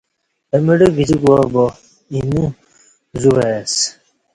اہ مڑہ گج کوبہ با اینہ زو وای اسہ